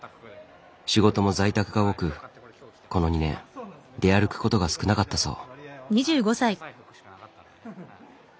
仕事も在宅が多くこの２年出歩くことが少なかったそう。